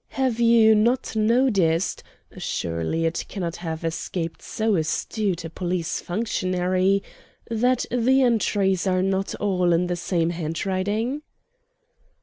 "Have you not noticed surely it cannot have escaped so astute a police functionary that the entries are not all in the same handwriting?"